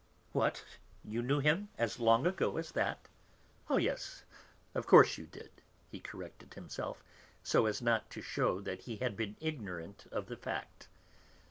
"What! you knew him as long ago as that? Oh, yes, of course you did," he corrected himself, so as not to shew that he had been ignorant of the fact.